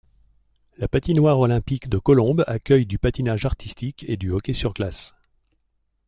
La patinoire olympique de Colombes accueille du patinage artistique et du hockey sur glace.